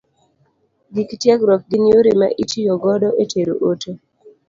Gik tiegruok gin yore ma itiyo godo e tero ote.